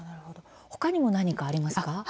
ほかにも何かありますか。